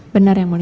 benar yang mulia